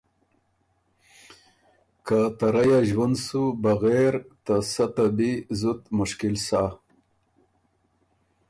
که ته رئ ا ݫوُند سُو بغېر ته سۀ ته بی زُت مشکل سۀ۔